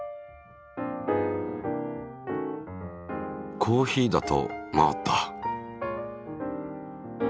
コーヒーだと回った。